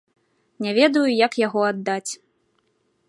Не ведаю, як яго аддаць.